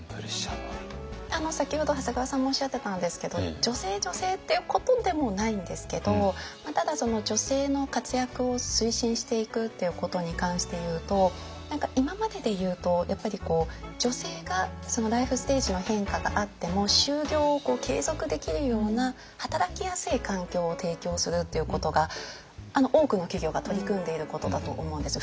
先ほど長谷川さんもおっしゃってたんですけど女性女性っていうことでもないんですけどただその女性の活躍を推進していくということに関して言うと何か今までで言うと女性がライフステージの変化があっても就業を継続できるような働きやすい環境を提供するっていうことが多くの企業が取り組んでいることだと思うんです。